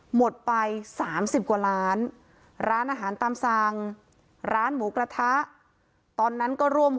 หมดไป๓๐กว่าล้าน